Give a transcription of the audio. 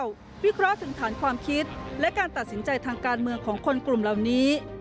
วิเคราะห์ถึงฐานความคิดและการตัดสินใจทางการเมืองของคนกลุ่มเหล่านี้